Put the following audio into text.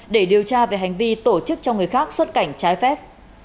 để điều tra về hành vi tổ chức cho người khác xuất cảnh trái phép